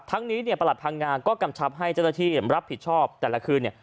ทั้งนี้ประหลัดทางงานก็กำชับให้เจ้าหน้าที่รับผิดชอบแต่ละคืน